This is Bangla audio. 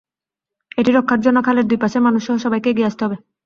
এটি রক্ষার জন্য খালের দুই পাশের মানুষসহ সবাইকে এগিয়ে আসতে হবে।